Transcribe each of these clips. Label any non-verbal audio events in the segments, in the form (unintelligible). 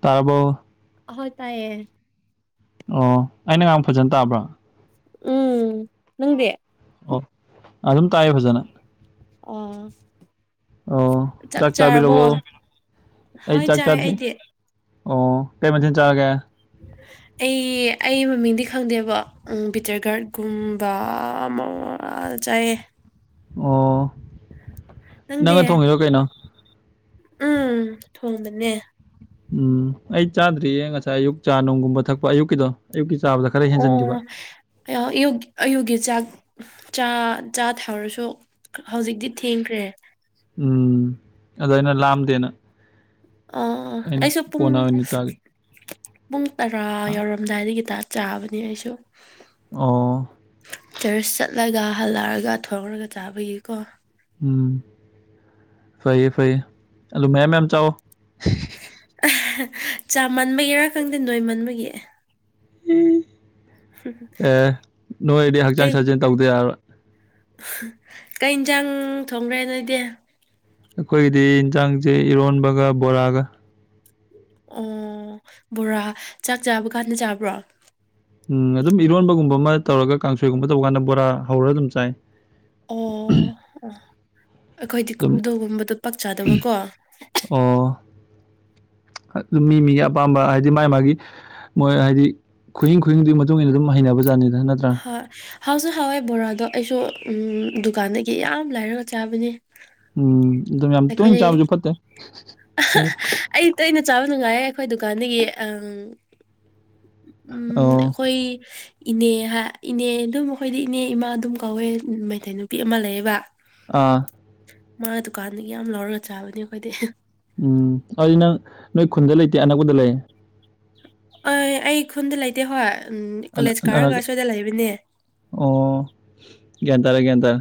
ꯇꯔꯕꯣ ꯑꯣꯏ ꯇꯥꯏꯌꯦ ꯑꯣ ꯑꯩꯅꯒꯥꯡ ꯐꯖꯅ ꯇꯥꯕ꯭ꯔꯥ ꯎꯝ ꯅꯪꯗꯤ ꯑꯣ ꯑꯗꯨꯝ ꯇꯥꯏꯌꯦ ꯐꯖꯅ ꯑ ꯑꯣ ꯆꯥꯛ ꯆꯥꯕꯤꯔꯕꯔꯕꯣ ꯑꯩ ꯍꯣꯏ ꯆꯥꯛ ꯆꯥꯏ ꯆꯥꯗ꯭ꯔꯤ ꯑꯩꯗꯤ ꯑꯣ ꯀꯦꯃꯦꯟꯁꯤꯤꯟ ꯆꯥꯒꯦ ꯑꯩ ꯑꯩ ꯃꯃꯤꯡꯗꯤ ꯈꯪꯗꯦꯕ ꯕꯤꯇꯔ ꯒꯥꯔꯗꯀꯨꯝꯕ ꯑꯃ ꯐꯜꯆꯥꯏ ꯑꯣ ꯅꯪꯗꯤ ꯅꯪꯅ ꯊꯣꯡꯉꯔꯣ ꯀꯩꯅꯣ ꯎꯝ ꯊꯣꯡꯗꯅꯦ ꯎꯝ ꯑꯩ ꯆꯥꯗ꯭ꯔꯤꯌꯦ ꯉꯁꯥꯏ ꯑꯌꯨꯛ ꯆꯥ ꯅꯨꯡꯒꯨꯝꯕ ꯊꯛꯄ ꯑꯌꯨꯛꯀꯤꯗꯣ ꯑꯌꯨꯛꯀꯤ ꯆꯥꯕꯗ ꯈꯔ ꯍꯦꯟꯖꯟꯈꯤꯕ ꯑꯣ ꯑꯌꯥ ꯑꯌꯨꯛ ꯑꯌꯨꯛꯒꯤ ꯆꯥꯛ ꯆꯥ ꯆꯥ ꯊꯥꯎꯔꯁꯨ ꯍꯧꯖꯤꯛꯇꯤ ꯊꯦꯡꯈ꯭ꯔꯦ ꯎꯝ ꯑꯗꯨ ꯑꯩꯅ ꯂꯥꯝꯗꯦꯅ ꯑ ꯑꯩꯅ ꯑꯩꯁꯨ ꯄꯨꯡ ꯀꯣꯟꯅ ꯑꯣꯏꯅ ꯆꯥꯒꯦ ꯄꯨꯡ ꯇꯔꯥ ꯌꯧꯔꯝꯗꯥꯏꯗꯒꯤ ꯇ ꯆꯥꯕꯅꯤ ꯑꯩꯁꯨ ꯑꯣ ꯆꯔꯆ ꯆꯠꯂꯒ ꯍꯜꯂꯛꯑꯒ ꯊꯣꯡꯔꯒ ꯆꯥꯕꯒꯤꯀꯣ ꯎꯝ ꯐꯩꯌꯦ ꯐꯩꯌꯦ ꯑꯗꯨ ꯃꯌꯥꯝ ꯃꯌꯥꯝ ꯆꯥꯎꯋꯣ ꯆꯥꯃꯟꯕꯒꯤꯔꯥ ꯈꯪꯗꯦ ꯅꯣꯏ ꯃꯟꯕꯒꯤ ꯑꯦ ꯑꯦ ꯅꯣꯏꯗꯤ ꯍꯛꯆꯥꯡ ꯀꯩ ꯁꯥꯖꯦꯟ ꯇꯧꯗ ꯌꯥꯕ ꯀꯩ ꯌꯦꯟꯁꯥꯡ ꯊꯣꯡꯈ꯭ꯔꯦ ꯅꯣꯏꯗꯤ ꯑꯩꯈꯣꯏꯒꯤꯗꯤ ꯏꯟꯁꯥꯡꯁꯦ ꯏꯔꯣꯟꯕꯒ ꯕꯣꯔꯥꯒ ꯑꯣ ꯕꯣꯔꯥ ꯆꯥꯛ ꯆꯥꯕ ꯀꯥꯟꯗ ꯆꯥꯕ꯭ꯔꯣ ꯎꯝ ꯑꯗꯨꯝ ꯏꯔꯣꯟꯕꯒꯨꯝꯕ ꯑꯃ ꯇꯧꯔꯒ ꯀꯥꯡꯁꯣꯏꯒꯨꯝꯕ ꯇꯧꯀꯥꯟꯗ ꯕꯣꯔꯥ ꯍꯧꯔꯒ ꯑꯗꯨꯝ ꯆꯥꯏ ꯑꯣꯝ ꯑꯗꯨꯝ ꯑꯩꯈꯣꯏꯗꯤꯨꯞꯗꯣꯒꯨꯝꯕꯗꯨꯣ ꯄꯥꯛ ꯆꯥꯗꯕꯀꯣ ꯑꯗꯨ ꯃꯤ ꯃꯤꯒꯤ ꯑꯄꯥꯝꯕ ꯍꯥꯏꯗꯤ ꯃꯥꯥꯏ ꯃꯥꯒꯤ ꯃꯣꯏ ꯍꯥꯏꯗꯤ ꯈꯨꯏꯡ ꯈꯨꯗꯤꯡꯗꯨꯒꯤ ꯃꯇꯨꯡ ꯏꯟꯅ ꯑꯗꯨꯝ ꯍꯩꯅꯕꯖꯥꯠꯅꯤꯗ ꯅꯠꯇ꯭ꯔꯥ ꯍꯥꯎꯁꯨꯛ ꯍꯋꯥꯏ ꯕꯣꯔꯥꯗꯣ ꯑꯩꯁꯨ ꯗꯨꯀꯥꯟꯗꯒꯤ ꯌꯥꯝ ꯂꯥꯏꯔꯒ ꯆꯥꯕꯅꯦ ꯎꯝ ꯑꯗꯨꯝ ꯌꯥꯝ ꯇꯣꯏꯅ ꯑꯩꯈꯣꯏ ꯆꯥꯕꯁꯨ ꯐꯠꯇꯦ ꯞ ꯆꯥꯕ ꯅꯨꯡꯉꯥꯏꯌꯦ ꯑꯩꯈꯣꯏ ꯗꯨꯀꯥꯟꯗꯒꯤ ꯎꯝ ꯎꯝ ꯑꯣ ꯑꯩꯈꯣꯏ ꯏꯅꯦ ꯍꯥꯏ ꯏꯅꯦ ꯑꯗꯨꯝ ꯑꯩꯈꯣꯏꯗꯤ ꯏꯅꯦ ꯏꯃꯥ ꯑꯗꯨꯝ ꯀꯧꯋꯦ ꯃꯩꯇꯩ ꯅꯨꯄꯤ ꯑꯃ ꯂꯩꯌꯦꯕ ꯑꯥ ꯃꯥ ꯗꯨꯀꯥꯟꯗꯒꯤ ꯌꯥꯝ ꯂꯧꯔꯒ ꯆꯥꯕꯅꯦ ꯑꯩꯈꯣꯏꯗꯤ ꯎꯝ ꯑꯗꯨꯗꯤ ꯅꯪ ꯅꯣꯏ ꯈꯨꯟꯗ ꯂꯩꯇꯦ ꯑꯅꯛꯄꯗ ꯂꯩ ꯑ ꯑꯩ ꯈꯨꯟꯗ ꯂꯩꯇꯦ ꯍꯣꯏ ꯎꯝ ꯑ ꯀꯣꯂꯦꯖ ꯑꯣ ꯀꯥꯔꯒ ꯁ꯭ꯋꯥꯏꯗ ꯂꯩꯕꯅꯦ ꯁꯔꯒꯇ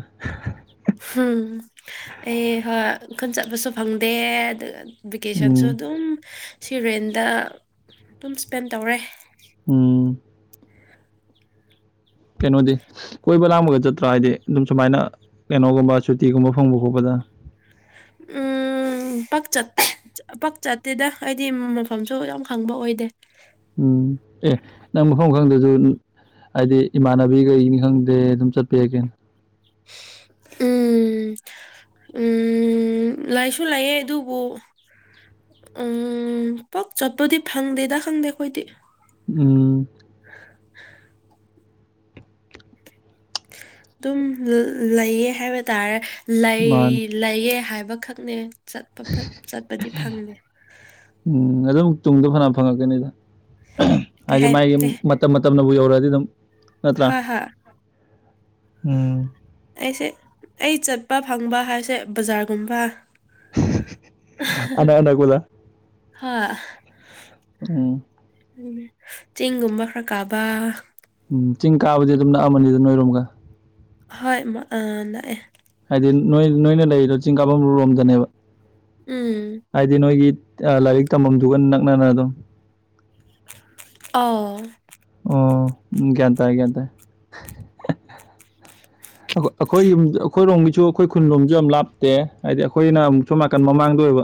ꯏꯟ ꯆꯠꯄꯁꯨ ꯐꯪꯗꯦ ꯑꯗꯨꯒ ꯚꯦꯀꯦꯁꯟꯁꯨ ꯎꯝ ꯑꯗꯨꯝ ꯁꯤꯔꯦꯟꯗ ꯑꯗꯨꯝ ꯁ꯭ꯄꯦꯟ ꯇꯧꯔꯦ ꯎꯝ ꯀꯩꯅꯣꯗꯤ ꯀꯣꯏꯕ ꯂꯥꯡꯕꯒ ꯆꯠꯇ꯭ꯔꯥ ꯍꯥꯏꯗꯤ ꯑꯗꯨꯝ ꯁꯨꯃꯥꯏꯅ ꯀꯩꯅꯣꯒꯨꯝꯕ ꯁꯨꯇꯤꯒꯨꯝꯕ ꯐꯪꯕ ꯈꯣꯠꯄꯗ (unintelligible) ꯎꯝ ꯎ ꯄꯛ ꯆ ꯄꯥꯛ ꯆꯠꯇꯦꯗ ꯑꯩꯗꯤ ꯃꯐꯝꯁꯨ ꯌꯥꯝ ꯈꯪꯕ ꯑꯣꯏꯗꯦ ꯎꯝ ꯑꯦ ꯅꯪ ꯃꯐꯝ ꯈꯪꯗꯁꯨ ꯍꯥꯏꯗꯤ ꯏꯃꯥꯟꯅꯕꯤ ꯀꯩꯅꯤ ꯈꯪꯗꯦ ꯑꯗꯨꯝ ꯆꯠꯄ ꯌꯥꯏ ꯀꯩꯅ ꯎꯝ (unintelligible) ꯎꯝ ꯂꯥꯏꯁꯨ ꯂꯥꯛꯑꯦ ꯑꯗꯨꯕꯨ ꯎꯝ ꯄꯣꯛ ꯆꯠꯄꯗꯤ ꯐꯪꯗꯦꯗ ꯈꯪꯗꯦ ꯑꯩꯈꯣꯏꯗꯤ ꯎꯝ ꯑꯗꯨꯝ ꯂꯩꯑ ꯍꯥꯏꯕ ꯇꯥꯔꯦ ꯂꯩ ꯃꯥꯅꯤ ꯂꯩꯑ ꯍꯥꯏꯕ ꯕꯈꯛꯅꯦ ꯆꯠꯄ ꯆꯠꯄꯗꯤ ꯐꯪꯉꯦ ꯇꯨꯡꯗꯣ ꯐꯅ ꯐꯪꯉꯛꯀꯅꯤꯗ ꯀꯩ ꯍꯥꯏꯗꯤ ꯃꯥꯒꯤ ꯍꯥꯏꯇꯦ ꯃꯇꯝ ꯃꯇꯝꯅꯕꯨ ꯌꯧꯔꯛꯑꯗꯤ ꯑꯗꯨꯝ ꯅꯠꯇ꯭ꯔꯥ ꯍꯥꯥ ꯍꯥ ꯎꯝ ꯑꯩꯁꯦ ꯑꯩ ꯆꯠꯄ ꯐꯪꯕ ꯍꯥꯏꯁꯦ ꯕꯖꯥꯔꯒꯨꯝꯕ ꯑꯅꯥꯅꯥ ꯀꯂ ꯍ ꯎꯝ ꯎ ꯆꯤꯡꯒꯨꯝꯕ ꯈꯔ ꯀꯥꯕ ꯎꯝ ꯆꯤꯡ ꯀꯥꯕꯗꯤ ꯑꯗꯨꯝ ꯅꯛꯑꯃꯅꯤꯗ ꯅꯣꯏꯔꯣꯒ ꯍꯣꯏ ꯑ ꯂꯥꯛꯑꯦ ꯍꯥꯏꯗꯤ ꯅꯣꯏ ꯅꯣꯏꯅ ꯂꯩꯔꯤꯗꯣ ꯆꯤꯡ ꯀꯥꯐꯝ ꯂꯣꯝꯗꯅꯦꯕ ꯎꯝ ꯍꯥꯏꯗꯤ ꯅꯣꯏꯒꯤ ꯂꯥꯏꯔꯤꯛ ꯇꯝꯐꯝꯗꯨꯒ ꯅꯛꯅꯅ ꯑꯗꯨꯝ ꯑ ꯑꯣ ꯀꯇ ꯀꯇ ꯑꯩꯈꯣꯏ ꯌꯨꯝ ꯑꯩꯈꯣꯏꯔꯣꯝꯒꯤꯁꯨ ꯑꯩꯈꯣꯏ ꯈꯨꯟꯂꯣꯝꯁꯨ ꯌꯥꯝ ꯂꯥꯞꯇꯦ ꯍꯥꯏꯗꯤ ꯑꯩꯈꯣꯏꯅ ꯑꯃꯨꯛ ꯁꯣꯝ ꯅꯥꯀꯟ ꯃꯃꯥꯡꯗ ꯑꯣꯏꯕ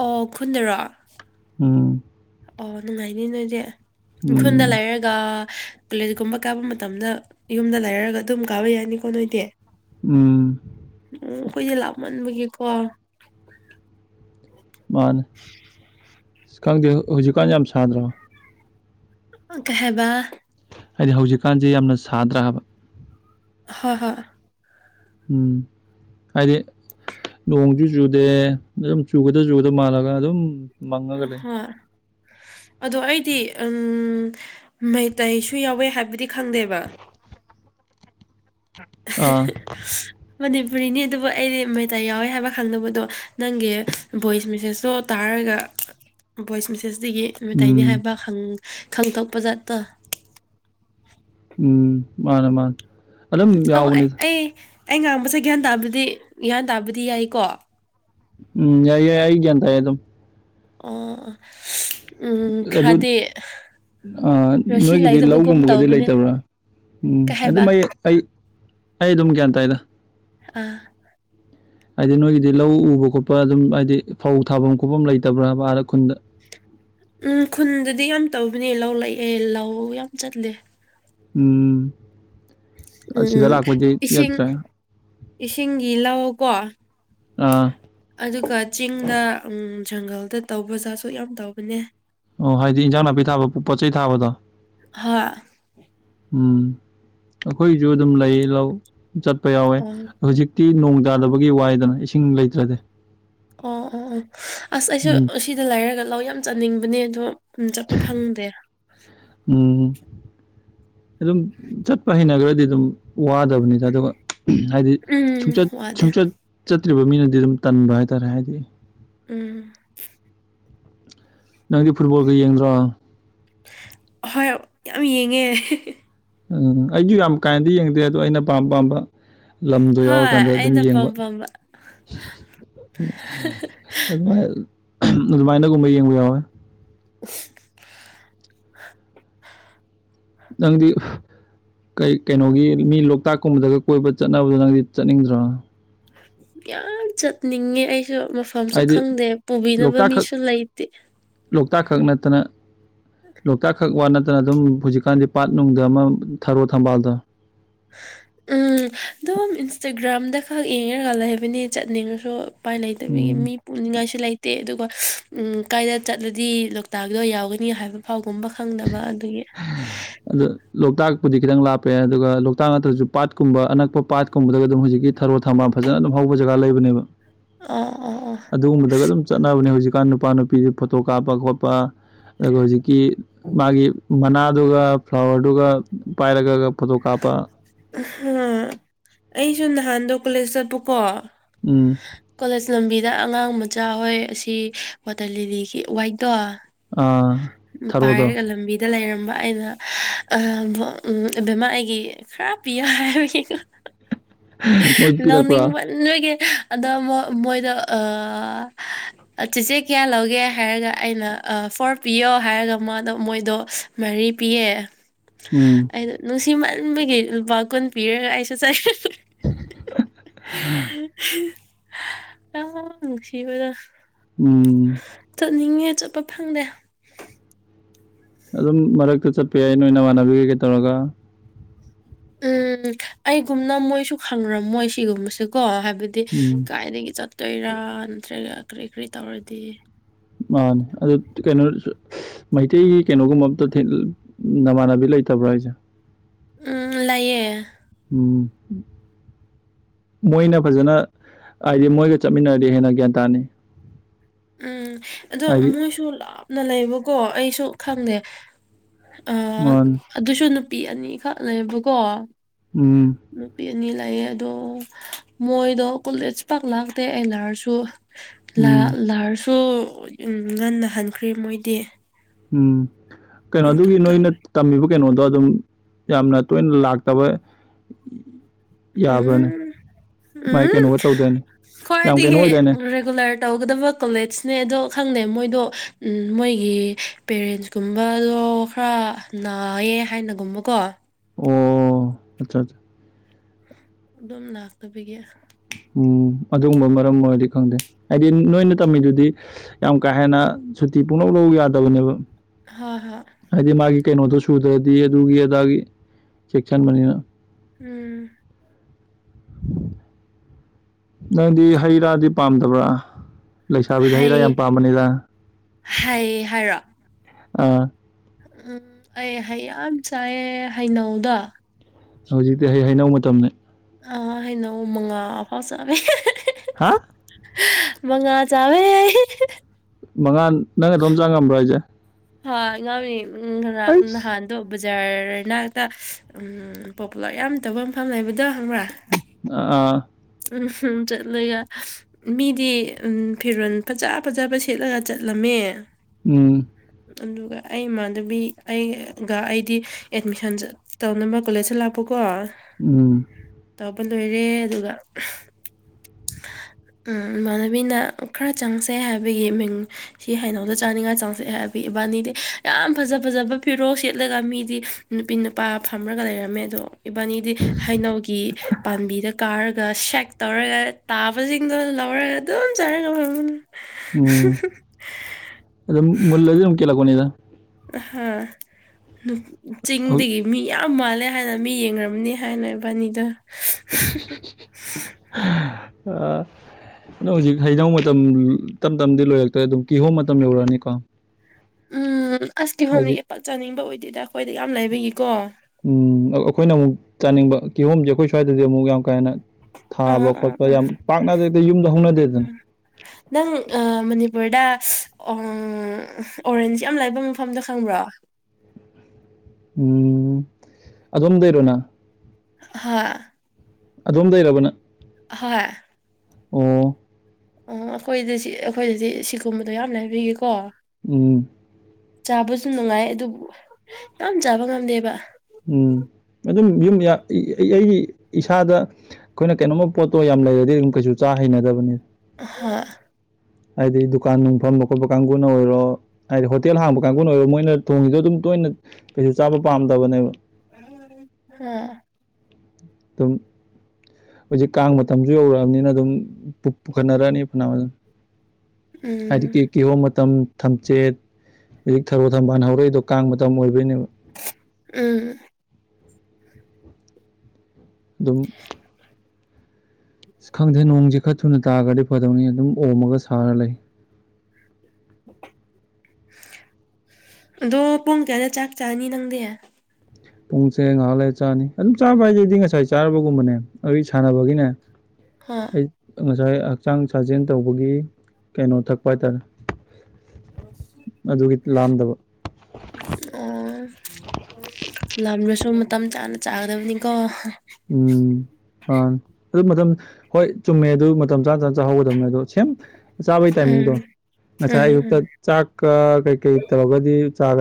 ꯑꯣ ꯈꯨꯟꯅꯔꯣ ꯎꯝ ꯑꯣ ꯅꯨꯡꯉꯥꯏꯅꯤ ꯅꯣꯏꯗꯤ ꯎꯈꯨꯜꯗ ꯎꯝ ꯂꯩꯔꯒ ꯀꯣꯂꯦꯖ ꯀꯨꯝꯕ ꯀꯥꯕ ꯃꯇꯝꯗ ꯌꯨꯝꯗ ꯂꯩꯔꯒ ꯑꯗꯨꯝ ꯀꯥꯕ ꯌꯥꯏꯅꯤꯀꯣ ꯅꯣꯏꯗꯤ ꯎꯝ ꯎꯝ ꯑꯩꯈꯣꯏꯁꯦ ꯂꯥꯛꯞꯃꯟꯕꯒꯤꯀꯣ ꯃꯥꯅꯦ ꯈꯪꯗꯦ ꯍꯧꯖꯤꯛꯀꯥꯟ ꯌꯥꯝ ꯁꯥꯗ꯭ꯔꯕ ꯀ ꯍꯥꯏꯕ ꯍꯥꯏꯗꯤ ꯍꯧꯖꯤꯛꯀꯥꯟꯁꯦ ꯌꯥꯝꯅ ꯁꯥꯗ꯭ꯔꯥ ꯍꯥꯏꯕ ꯍꯥ ꯍ ꯎꯝ ꯑꯔ ꯅꯣꯡꯖꯨ ꯆꯨꯗꯦ ꯑꯗꯨꯝ ꯆꯨꯒꯗ ꯆꯨꯒꯗ ꯃꯥꯜꯂꯒ ꯑꯗꯨꯝ ꯃꯪꯉꯒ ꯂꯩ ꯍꯣꯏ ꯎꯝ ꯑꯗꯣ ꯑꯩꯗꯤ ꯎꯝ ꯃꯩꯇꯩꯁꯨ ꯌꯥꯎꯋꯦ ꯍꯥꯏꯕꯗꯤ ꯈꯪꯗꯦꯕ ꯑꯥ ꯃꯅꯤꯄꯨꯔꯤꯅꯤ ꯑꯗꯨꯕꯨ ꯑꯩꯗꯤ ꯃꯩꯇ ꯌꯥꯎꯋꯦ ꯍꯥꯏꯕ ꯈꯪꯅꯕꯗꯣ ꯅꯪꯒꯤ ꯚꯣꯏꯁ ꯃꯦꯁꯦꯁꯇꯣ ꯇꯥꯔ ꯃꯒ ꯣꯏꯆꯃꯁꯁ ꯁꯤꯒꯤ ꯃꯇꯩꯅꯤ ꯎꯝ ꯍꯥꯏꯕ ꯈꯪꯗꯣꯛꯄ ꯖꯥꯠꯇꯣ ꯎꯝ ꯃꯥꯅꯦ ꯃꯥ ꯑ ꯑꯩ ꯑꯩ ꯉꯥꯡꯕꯁꯦ ꯒ꯭ꯌꯥꯟ ꯇꯥꯕꯗꯤ ꯒ꯭ꯌꯥꯟ ꯇꯥꯕꯗꯤ ꯌꯥꯏꯀꯣ ꯎꯝ ꯌꯥꯏ ꯑꯏ ꯀꯗ ꯑꯦ ꯑꯗꯨꯝ ꯑꯣ ꯑꯗꯨ ꯔꯁꯤ ꯅꯣꯏꯒꯤꯗꯤ ꯂꯩꯗꯕꯒꯨꯝ ꯂꯧꯒꯨꯝꯕꯒꯗꯤ ꯇꯧꯕꯅꯦ ꯂꯩꯇꯕ꯭ꯔꯥ ꯎꯝ ꯀꯩ ꯍꯥꯏꯕ ꯑꯗꯨꯝ ꯑꯩ ꯑꯩ ꯑꯩ ꯑꯗꯨꯝ ꯒ꯭ꯌꯥꯟ ꯇꯥꯏꯗ ꯑꯥ ꯍꯥꯏꯗꯤ ꯅꯣꯏꯒꯤꯗꯤ ꯂꯧ ꯎꯕ ꯈꯣꯠꯄ ꯑꯗꯨꯝ ꯍꯥꯏꯗꯤ ꯐꯧ ꯊꯥꯐꯝ ꯈꯣꯠꯐꯝ ꯂꯩꯇꯕ꯭ꯔꯥꯕ ꯑꯥꯗ ꯈꯨꯟꯗ ꯎꯝ ꯈꯨꯟꯗꯗꯤ ꯌꯥꯝ ꯇꯧꯕꯅꯦ ꯂꯧ ꯂꯛꯑꯦ ꯂꯧ ꯌꯥꯝ ꯆꯠꯂꯦ ꯎꯝ ꯑꯁꯤꯗ ꯎꯝ ꯂꯥꯛꯄꯗꯤ ꯏꯁꯤꯡ ꯅꯠꯇ꯭ꯔꯥ ꯏꯁꯤꯡꯒꯤ ꯂꯥꯛꯑꯣ ꯀꯣ ꯑꯥ ꯑꯗꯨꯒ ꯆꯤꯡꯗ ꯖꯪꯒꯜꯗ ꯇꯧꯕꯖꯥ ꯑꯁꯨꯛ ꯌꯥꯝ ꯇꯧꯕꯅꯦ ꯑꯣ ꯍꯥꯏꯗꯤ ꯏꯟꯖꯥꯡ ꯅꯥꯄꯤ ꯊꯥꯕ ꯄꯣꯠ ꯆꯩ ꯊꯥꯕꯗꯣ ꯍꯥꯥ ꯎꯝ ꯑꯩꯈꯣꯏꯁꯨ ꯑꯗꯨꯝ ꯂꯩ ꯂꯧ ꯆꯠꯄ ꯌꯥꯎꯋꯦ ꯑꯣ ꯍꯧꯖꯤꯛꯇꯤ ꯇꯤ ꯅꯣꯡ ꯇꯥꯗꯕꯒꯤ ꯋꯥꯏꯗꯅ ꯏꯁꯤꯡ ꯂꯩꯇ꯭ꯔꯗꯤꯦ ꯑꯣ ꯑꯣ ꯑꯣ ꯑꯁ ꯑꯩꯁꯨ ꯎꯝ ꯁꯤꯗ ꯂꯩꯥꯏꯔꯒ ꯂꯧ ꯌꯥꯝ ꯆꯥꯅꯤꯡꯕꯅꯦ ꯑꯗꯣ ꯑꯗꯨꯝ ꯆꯠꯄ ꯐꯪꯗꯦ ꯑꯗꯨ ꯑꯗꯨꯝ ꯆꯠꯄ ꯍꯅ ꯀꯔꯗꯤ ꯑꯗꯨꯝ ꯋꯥꯗꯕꯅꯤꯗ ꯑꯗꯨꯒ ꯍꯥꯏꯗꯤ ꯎꯝ ꯁꯨꯡꯆꯠ ꯋꯥꯗꯦ ꯁꯨꯡꯆꯠ ꯆꯠꯇ꯭ꯔꯤꯕ ꯃꯤꯅꯗꯤ ꯑꯗꯨꯝ ꯇꯟꯕ ꯍꯥꯏꯇꯥꯔꯦ ꯍꯥꯏꯗꯤ ꯎꯝ ꯅꯪꯗꯤ ꯐꯨꯠꯕꯣꯜꯒ ꯌꯦꯡꯗ꯭ꯔꯣ ꯑꯍꯣꯏ ꯌꯥꯝ ꯌꯦꯡꯉꯦ ꯎꯝ ꯑꯩꯁꯨ ꯌꯥꯝ ꯀꯥꯏꯅꯗꯤ ꯌꯦꯡꯗꯦ ꯑꯗꯣ ꯑꯩꯅ ꯄꯥꯝ ꯄꯥꯝꯕ ꯂꯝꯗꯣ ꯍꯣꯏ ꯌꯥꯎꯔꯀꯥꯟꯗ ꯑꯗꯨꯝ ꯑꯩꯅ ꯌꯦꯡꯕ ꯄꯥꯝ ꯄꯥꯝꯕ ꯚꯥꯏ ꯑꯗꯨꯃꯥꯏꯅꯒꯨꯝꯕ ꯌꯦꯡꯕ ꯌꯥꯎꯋꯦ (unintelligible) ꯅꯪꯗꯤ ꯀꯩ ꯀꯩꯅꯣꯒꯤ ꯃꯤ ꯂꯣꯛꯇꯥꯛꯀꯨꯝꯕꯗꯒ ꯀꯣꯏꯕ ꯆꯠꯅꯕꯗꯣ ꯅꯪꯗꯤ ꯆꯠꯅꯤꯡꯗ꯭ꯔꯣ ꯌꯥꯝ ꯆꯠꯅꯤꯡꯉꯦ ꯑꯩꯁꯨ ꯃꯐꯝꯁꯨ ꯍꯥꯏꯗꯤ ꯈꯪꯗꯦ ꯄꯨꯕꯤꯅꯕ ꯂꯣꯛꯇꯥꯛꯈꯛ ꯃꯤꯁꯨ ꯂꯩꯇꯦ ꯇꯅ ꯂꯣꯛꯇꯥꯛ ꯈꯛ ꯋꯥ ꯅꯠꯇꯅ ꯑꯗꯨꯝ ꯍꯧꯖꯤꯛꯀꯥꯟꯗꯤ ꯄꯥꯠ ꯅꯨꯡꯗ ꯑꯃ ꯊꯔꯣ ꯊꯝꯕꯥꯜꯗꯣ ꯎꯝ ꯑꯗꯨꯝ ꯏꯟꯁꯇꯒ꯭ꯔꯥꯝꯗ ꯈꯛ ꯌꯦꯡꯉꯒ ꯂꯩꯕꯅꯦ ꯆꯠꯅꯤꯡꯉꯁꯨ ꯎꯄꯥꯏ ꯂꯩꯇꯕꯒꯤ ꯎꯝ ꯃꯤ ꯄꯨꯅꯤꯡꯉꯥꯏꯁꯨ ꯂꯩꯇꯦ ꯑꯗꯨꯒ ꯎꯝ ꯀꯥꯏꯗ ꯆꯠꯂꯗꯤ ꯂꯣꯛꯇꯥꯛꯗꯣ ꯌꯥꯎꯒꯅꯤ ꯍꯥꯏꯕ ꯐꯥꯎ ꯒꯨꯝꯕ ꯈꯪꯗꯕ ꯑꯗꯨꯒꯤ ꯑꯗ ꯂꯣꯛꯇꯥꯛꯄꯨꯗꯤ ꯈꯤꯇꯪ ꯂꯥꯞꯄꯦ ꯑꯗꯨꯒ ꯂꯣꯛꯇꯥꯛ ꯅꯠꯇ꯭ꯔꯁꯨ ꯄꯥꯠꯀꯨꯝꯕ ꯑꯅꯛꯄ ꯄꯥꯠ ꯀꯨꯝꯕꯗꯒ ꯑꯗꯨꯝ ꯍꯧꯖꯤꯛꯀꯤ ꯊꯔꯣ ꯊꯝꯕꯥꯝ ꯐꯖꯅ ꯑꯗꯨꯝ ꯍꯧꯕ ꯖꯒꯥ ꯂꯩꯕꯅꯦꯕ ꯑꯣ ꯑꯣ ꯑꯣ ꯑꯗꯨꯒꯨꯝꯕꯗꯒ ꯑꯗꯨꯝ ꯆꯠꯅꯕꯅꯦ ꯍꯧꯖꯤꯛ ꯅꯨꯄꯥ ꯅꯨꯄꯤꯗ ꯐꯣꯇꯣ ꯀꯥꯞꯄ ꯈꯣꯠꯄ ꯑꯗꯨꯒ ꯍꯧꯖꯤꯛꯀꯤ ꯃꯥꯒꯤ ꯃꯅꯥꯗꯨꯒ ꯐ꯭ꯂꯥꯋꯔꯗꯨꯒ ꯄꯥꯏꯔꯒꯒ ꯑꯩꯁꯨ ꯅꯍꯥꯟꯗꯣ ꯀꯣꯂꯦꯖ ꯆꯠꯄꯀꯣ ꯎꯝ ꯀꯣꯂꯦꯖ ꯂꯝꯕꯤꯗ ꯑꯉꯥꯡ ꯃꯆꯥ ꯍꯣꯏ ꯑꯁꯤ ꯋꯥꯇꯔ ꯂꯤꯂꯤꯒꯤ ꯋꯥꯏꯠꯇꯣ ꯑꯥ ꯊꯔꯣꯗꯣ ꯄꯥꯏꯔ ꯂꯝꯕꯤꯗ ꯂꯩꯔꯝꯕ ꯑꯩꯅ ꯕꯦꯃꯥ ꯑꯩꯒꯤ ꯈꯔ ꯄꯤꯌꯥ ꯍꯥꯏꯕꯒꯤꯀꯣ ꯃꯣꯏ ꯂꯧꯅꯤꯡ ꯄꯤꯔꯛꯄ꯭ꯔꯥ ꯃꯟ ꯕꯒꯤ ꯑꯗꯣ ꯃꯣ ꯃꯣꯏꯗꯣ ꯑ ꯆꯦꯆꯦ ꯀꯌꯥ ꯂꯧꯒꯦ ꯍꯥꯏꯔꯒ ꯑꯩꯅ ꯐꯣꯔ ꯄꯤꯌꯣ ꯍꯥꯏꯔꯒ ꯃꯥꯗꯣ ꯃꯣꯏꯗꯣ ꯃꯔꯤ ꯄꯤꯌꯦ ꯎꯝ ꯑꯩꯗꯣ ꯅꯨꯡꯁꯤꯃꯟꯕꯒꯤ ꯂꯨꯄꯥ ꯀꯨꯟ ꯄꯤꯔꯒ ꯑꯩꯁꯨ ꯌꯥꯝꯅꯨꯡꯁꯤꯕ ꯎꯝ ꯅꯤꯡꯉꯦ ꯆꯠꯄ ꯐꯪꯗꯦ ꯑꯗꯨꯝ ꯃꯔꯛꯇ ꯆꯠꯄ ꯌꯥꯏ ꯅꯣꯏꯅ ꯅꯃꯥꯟꯅꯕꯤ ꯀꯩꯒꯩ ꯇꯧꯔꯒ ꯎꯝ ꯑꯩꯒꯨꯝꯅ ꯃꯣꯏꯁꯨ ꯈꯪꯔꯝꯃꯣꯏ ꯁꯤꯒꯨꯝꯕꯁꯦꯀꯣ ꯍꯥꯏꯕ ꯍꯥꯏꯕꯗꯤ ꯎꯝ ꯀꯥꯏꯗꯒꯤ ꯆꯠꯇꯣꯏꯔꯥ ꯅꯠꯇ꯭ꯔꯒ ꯀꯔꯤ ꯀꯔꯤ ꯇꯧꯔꯗꯤ ꯃꯥꯅꯦ ꯑꯗꯨ ꯀꯩꯅꯣ ꯃꯩꯇꯩꯒꯤ ꯀꯩꯅꯣꯒꯨꯝꯕ ꯑꯝꯇ ꯅꯃꯥꯟꯅꯕꯤ ꯂꯩꯇꯕ꯭ꯔꯥ ꯍꯥꯏꯁꯦ ꯎꯝ ꯂꯩꯌꯦ ꯎꯝ ꯃꯣꯏꯅ ꯐꯖꯅ ꯍꯥꯏꯗꯤ ꯃꯣꯏꯒ ꯆꯠꯃꯤꯟꯅꯔꯗꯤ ꯍꯦꯟꯅ ꯒ꯭ꯌꯥꯟ ꯇꯥꯅꯤꯩ ꯎꯝ ꯑꯗꯣ ꯃꯣꯏꯁꯨ ꯂꯥꯞꯅ ꯂꯩꯕꯀꯣ ꯑꯩꯁꯨ ꯈꯪꯗꯦ ꯑ ꯃꯥꯅꯦ ꯑꯗꯨꯁꯨ ꯅꯨꯄꯤ ꯑꯅꯤꯈꯛꯅꯦꯕꯀꯣ ꯎꯝ ꯑꯅꯤ ꯂꯩꯌꯦ ꯑꯗꯣ ꯃꯣꯏꯗꯣ ꯀꯣꯂꯦꯖ ꯄꯥꯛ ꯂꯥꯛꯇꯦ ꯑꯦ ꯂꯥꯔꯁꯨ ꯎꯝ ꯂꯥꯔꯁꯨ ꯉꯟꯅ ꯍꯟꯈꯔ꯭ꯦ ꯃꯣꯏꯗꯤ ꯎꯝ ꯀꯩꯅꯣ ꯑꯗꯨꯒꯤ ꯅꯣꯏꯅ ꯇꯝꯃꯤꯕ ꯀꯩꯅꯣꯗ ꯑꯣ ꯑꯗꯨꯝ ꯌꯥꯝꯅ ꯇꯣꯏꯅ ꯂꯥꯛꯇꯕ ꯌꯥꯕ꯭ꯔꯥꯅꯦ ꯎꯝ ꯃꯥꯏ ꯎꯝ ꯀꯩꯅꯣꯒ ꯇꯧꯗꯥꯏꯅꯦ ꯌꯥꯝ ꯀꯩꯅꯣ ꯈꯋꯥꯥꯏꯗꯒꯤ ꯑꯣꯏꯗꯥꯏꯅꯦ ꯔꯦꯒꯨꯂꯔ ꯇꯧꯒꯗꯕ ꯀꯣꯂꯦꯖꯅꯦ ꯑꯗꯣ ꯈꯪꯗꯦ ꯃꯣꯏꯗꯣ ꯃꯣꯏꯒꯤ ꯄꯦꯔꯦꯟꯁꯀꯨꯝꯕꯗꯣ ꯑꯣ ꯈꯔ ꯅꯥꯌꯦꯦ ꯍꯥꯏꯅꯒꯨꯝꯕꯀꯣ ꯑꯣ ꯑꯠꯆꯥ ꯑꯠꯆꯥ ꯑꯗꯨꯝ ꯂꯥꯛꯇꯕꯒꯤ (inaudible) ꯎꯝ ꯑꯗꯨꯒꯨꯝꯕ ꯃꯔꯝ ꯑꯣꯏꯔꯗꯤ ꯈꯪꯗꯦ ꯍꯥꯏꯗꯤ ꯅꯣꯏꯅ ꯇꯝꯃꯤꯗꯨꯗꯤ ꯌꯥꯝ ꯀꯥ ꯍꯦꯟꯅ ꯁꯨꯇꯤ ꯁꯨꯇꯤ ꯄꯨꯡꯂꯧ ꯂꯧ ꯌꯥꯗꯕꯅꯦꯕ ꯍꯣꯏ ꯍꯣꯏ ꯍꯥꯏꯗꯤ ꯃꯥꯒꯤ ꯀꯩꯅꯣꯗꯣ ꯁꯨꯗ꯭ꯔꯗꯤ ꯑꯗꯨꯒꯤ ꯑꯗꯥꯒꯤ ꯆꯦꯛꯁꯤꯟꯕꯅꯤꯅ ꯎꯝ ꯅꯪꯗꯤ ꯍꯩ ꯔꯥꯗꯤ ꯄꯥꯝꯗꯕ꯭ꯔꯥ ꯂꯩꯁꯥꯕꯤꯗ ꯍꯩ ꯍꯩꯔꯥ ꯌꯥꯝ ꯄꯥꯝꯕꯅꯤꯗ ꯍꯩ ꯍꯥꯏꯔꯣ ꯑꯥ ꯎꯝ ꯑꯩ ꯌꯥꯝ ꯆꯥꯏꯌꯦ ꯍꯩꯅꯧꯗ ꯍꯧꯖꯤꯛꯇꯤ ꯍ ꯍꯩꯅꯧ ꯃꯇꯝꯅꯤꯅꯦ ꯑ ꯍꯩꯅꯧ ꯃꯉꯥ ꯐꯥꯎ ꯆꯥꯃꯦ ꯍꯥ ꯃꯉꯥ ꯆꯥꯕ ꯑꯩ ꯃꯉꯥ ꯅꯪꯅ ꯑꯗꯨꯣꯝ ꯆꯥ ꯉꯝꯕ꯭ꯔꯣ ꯍꯥꯏꯁꯦ ꯍꯥ ꯉ ꯉ ꯎ ꯑꯩꯁ ꯅꯍꯥꯟꯗꯣ ꯕꯖꯥꯔꯅꯥꯛꯇ ꯄꯣꯄꯨꯂꯔ ꯌꯥꯝ ꯇꯧꯕ ꯃꯐꯝ ꯍꯥꯏꯕꯗꯣ ꯍꯪꯕ꯭ꯔꯥ ꯑꯥ ꯑꯥ ꯎꯝ ꯆꯠꯂꯒ ꯃꯤꯗꯤ ꯐꯤꯔꯣꯜ ꯐꯖ ꯐꯖꯕ ꯁꯦꯠꯂꯒ ꯆꯠꯂꯝꯃꯦ ꯎꯝ ꯑꯗꯨꯒ ꯑꯩ ꯏꯃꯥꯟꯗꯕꯤ ꯑꯩꯒ ꯑꯩꯗꯤ ꯑꯦꯠꯃꯤꯁꯟ ꯇꯧꯅꯕ ꯀꯣꯂꯦꯖꯇ ꯂꯥꯛꯄꯀꯣ ꯎꯝ ꯇꯕ ꯂꯣꯏꯔꯦ ꯑꯗꯨꯒ (unintelligible) ꯎ ꯏꯃꯥꯟꯅꯕꯤꯅ ꯈꯔ ꯆꯪꯁꯦ ꯍꯥꯏꯕꯒꯤ ꯃꯤꯡ ꯁꯤ ꯍꯥꯏꯩꯅꯧꯗ ꯆꯥꯅꯤꯡꯉꯥꯏ ꯆꯪꯁ ꯍꯥꯏꯕꯒꯤ ꯏꯕꯥꯅꯤꯗꯤ ꯌꯥꯝ ꯐꯖ ꯐꯖꯕ ꯐꯤꯔꯣꯛꯜ ꯁꯦꯠꯂꯒ ꯃꯤꯗꯤ ꯅꯨꯄꯤ ꯅꯨꯄꯥ ꯐꯝꯃꯒ ꯂꯩꯔꯝꯃꯦ ꯑꯗꯣ ꯏꯕꯥꯅꯤꯗꯤ ꯍꯩꯅꯧꯒꯤ ꯄꯥꯝꯕꯤꯗ ꯀꯥꯔꯒ ꯁꯦꯛ ꯇꯧꯔꯒ ꯇꯥꯕꯁꯤꯡꯗꯣ ꯂꯧꯔꯒ ꯑꯗꯨꯝ ꯆꯔ ꯎꯝ ꯑꯗꯨ ꯃꯜ ꯀꯂ ꯀꯅꯤꯗ ꯍꯧ ꯆꯤꯡꯗꯒꯤ ꯃꯤ ꯌꯥꯝ ꯌꯥꯝ ꯃꯥꯜꯂꯦ ꯍꯥꯏꯅ ꯃꯤ ꯌꯦꯡꯅꯔꯕꯅꯤ ꯍꯥꯏꯅ ꯕꯥꯅꯤꯗ ꯑ ꯑ ꯍꯧꯖꯤꯛ ꯍꯩꯅꯧ ꯃꯇꯝ ꯇꯝ ꯇꯝꯗꯤ ꯂꯣꯏꯔꯛꯇ꯭ꯔꯦ ꯑꯗꯨꯝ ꯀꯤꯍꯣꯝ ꯃꯇꯝ ꯌꯧꯔꯛꯑꯅꯤꯀꯣ ꯎꯝ ꯑꯁ ꯀꯤ ꯍꯣꯝꯅꯤ ꯍꯥꯏꯗꯤ ꯄꯥꯛ ꯆꯥꯅꯤꯡꯕ ꯑꯣꯏꯗꯦꯗ ꯑꯩꯈꯣꯏꯗ ꯌꯥꯝ ꯂꯩꯕꯒꯤꯀꯣ ꯎꯝ ꯑꯩꯈꯣꯏꯅ ꯑꯃꯨꯛ ꯆꯥꯅꯤꯡꯕ ꯀꯤꯍꯣꯝꯁꯦ ꯑꯩꯈꯣꯏ ꯁ꯭ꯋꯥꯏꯗꯗꯤ ꯑꯃꯨꯛ ꯌꯥꯝ ꯀꯥ ꯍꯦꯟꯅ ꯊꯥꯕ ꯑꯥ ꯑꯥ ꯈꯣꯠꯄ ꯑꯥ ꯌꯥꯝ ꯄꯥꯛꯅꯗꯦ ꯌꯨꯝꯗ ꯍꯧꯅꯗꯦꯗꯅ ꯅꯪ ꯑ ꯃꯅꯤꯄꯨꯔꯗ ꯎ ꯑꯣꯔꯦꯟꯖ ꯌꯥꯝ ꯂꯥꯏꯕ ꯃꯐꯝꯗ ꯈꯪꯕ꯭ꯔꯣ ꯎꯝ ꯑꯣꯝ ꯂꯩꯔꯣꯅꯥ ꯍꯥꯥ ꯑꯗꯨꯝ ꯂꯩꯔꯕꯅ ꯍ ꯑꯣ ꯑꯣ ꯑꯩꯈꯣꯏꯗꯗꯤ ꯑꯩꯈꯣꯏꯗꯗꯤ ꯁꯤꯒꯨꯝꯕꯗꯣ ꯌꯥꯝꯅ ꯍꯥꯏꯕꯤꯒꯀꯣ ꯎꯝ ꯆꯥꯕꯁꯨ ꯅꯨꯡꯉꯥꯏ ꯑꯗꯨꯕꯨ ꯌꯥꯝ ꯆꯥꯕ ꯉꯝꯗꯦꯕ ꯎꯝ ꯑꯗꯨꯝ ꯌꯨꯝ ꯑꯩꯒꯤ ꯏꯁꯥꯗ ꯑꯩꯈꯣꯏꯅ ꯀꯩꯅꯣꯝꯃ ꯄꯣꯠꯇꯣ ꯌꯥꯝ ꯂꯩꯔꯗꯤ ꯑꯗꯨꯝ ꯀꯩꯁꯨ ꯆꯥ ꯍꯩꯅꯗꯕꯅꯤ ꯍꯥ ꯍꯥꯏꯗꯤ ꯗꯨꯀꯥꯟ ꯅꯨꯡ ꯐꯝꯕ ꯈꯣꯠꯄ ꯀꯥꯡꯕꯨꯅ ꯑꯣꯏꯔꯣ ꯍꯥꯏꯗꯤ ꯍꯣꯇꯦꯜ ꯍꯥꯡꯕ ꯀꯥꯡꯒꯅ ꯑꯣꯏꯔꯣ ꯃꯣꯏꯅ ꯊꯣꯡꯉꯤꯗꯣ ꯑꯗꯨꯝ ꯇꯣꯏꯅ ꯄꯩꯁꯨ ꯆꯥꯕ ꯄꯥꯝꯗꯕꯅꯦꯕ ꯍꯝ ꯇꯨꯝ ꯍꯧꯖꯤꯛ ꯀꯥꯡ ꯃꯇꯝꯁꯨ ꯌꯧꯔꯛꯑꯕꯅꯤꯅ ꯑꯗꯨꯝ ꯄꯨꯈꯠꯅꯔꯛꯑꯅꯤ ꯐꯅ ꯐꯅ ꯍꯥꯏꯗꯤ ꯎꯝ ꯀ ꯀꯍꯣ ꯃ ꯃꯇꯝ ꯊꯝꯆꯦꯠ ꯍꯧꯖꯤꯛ ꯊꯔꯣ ꯊꯝꯕꯥꯜ ꯍꯧꯔꯛꯏꯗꯣ ꯀꯥꯡ ꯃꯇꯝ ꯑꯣꯏꯕꯣꯏꯅꯦꯕ ꯎꯝ ꯑꯗꯨꯝ ꯈꯪꯗꯦ ꯅꯣꯡꯁꯦ ꯈꯔ ꯊꯨꯅ ꯇꯥꯔꯒꯗꯤ ꯐꯗꯧꯅꯤ ꯑꯗꯨꯝ ꯑꯣꯝꯃꯒ ꯁꯥꯔ ꯂꯩ (unintelligible) ꯑꯗꯣ ꯄꯨꯡ ꯀꯌꯥꯗ ꯆꯥꯛ ꯆꯥꯅꯤ ꯅꯪꯗꯦ ꯄꯨꯡꯁꯦ ꯉꯥꯏꯍꯥꯜ ꯂꯩ ꯆꯥꯅꯤ ꯑꯗꯨꯝ ꯆꯥꯕ ꯍꯥꯏꯁꯤꯗꯤ ꯉꯁꯥꯏ ꯆꯥꯔꯕꯒꯨꯝꯕꯅꯦ ꯑꯗꯨꯣꯏ ꯁꯥꯟꯅꯕꯒꯤꯅꯦ ꯍꯣꯏ ꯑꯩ ꯉꯁꯥꯏ ꯍꯛꯆꯥꯡ ꯁꯥꯖꯦꯜ ꯇꯧꯕꯒꯤ ꯀꯩꯅꯣ ꯊꯛꯄ ꯍꯥꯏꯇꯥꯔꯦ ꯑꯗꯨꯒꯤ ꯂꯥꯝꯗꯕ ꯎ ꯂꯝ꯭ꯔꯣꯁꯨ ꯃꯇꯝ ꯆꯥꯅ ꯆꯥꯗꯕꯅꯤꯀ ꯎꯝ ꯑ ꯑꯗꯨ ꯃꯇꯝ ꯍꯣꯏ ꯆꯨꯝꯃꯦ ꯑꯗꯨ ꯃꯇꯝ ꯆꯥꯅ ꯆ ꯆꯥꯍꯧꯒꯗꯕꯅꯦ ꯑꯗꯣ ꯁꯦꯝ ꯆꯥꯕꯩ ꯎꯝ ꯇꯥꯏꯃꯤꯡꯗꯣ ꯎꯝ ꯉꯁꯥꯏ ꯎꯝ ꯑꯌꯨꯛꯇ ꯆꯥꯛꯀ ꯀꯩꯀꯩ ꯇꯧꯔꯒꯗꯤ ꯆꯥꯒ